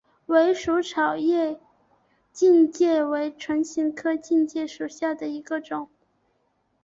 鼠尾草叶荆芥为唇形科荆芥属下的一个种。